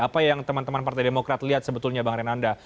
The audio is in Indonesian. apa yang teman teman partai demokrat lihat sebetulnya bang renanda